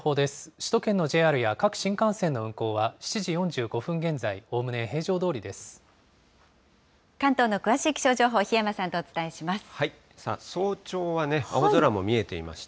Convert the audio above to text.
首都圏のＪＲや各新幹線の運行は７時４５分現在おおむね平常どお関東の詳しい気象情報、檜山早朝は青空も見えていました